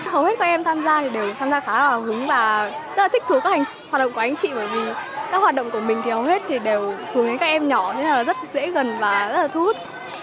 hầu hết các em tham gia thì đều tham gia khá là hứng và rất là thích thú các hoạt động của anh chị bởi vì các hoạt động của mình thì hầu hết đều hứng với các em nhỏ rất là dễ gần và rất là thu hút